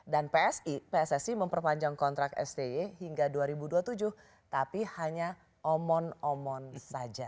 dan pssi memperpanjang kontrak sti hingga dua ribu dua puluh tujuh tapi hanya omon omon saja